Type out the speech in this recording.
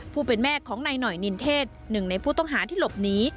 ผู้เป็นแม่ของนายหน่อยนินเทศหนึ่งในผู้ต้องหาที่หลบหนี